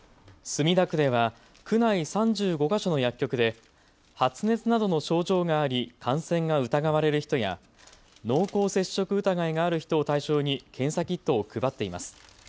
墨田区では区内３５か所の薬局で発熱などの症状があり感染が疑われる人や濃厚接触疑いがある人を対象に検査キットを配っています。